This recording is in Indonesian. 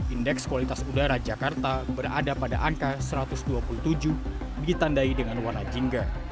indeks kualitas udara jakarta berada pada angka satu ratus dua puluh tujuh ditandai dengan warna jingle